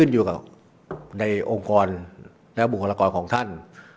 อยู่กับในองค์กรและบุคลากรของท่าน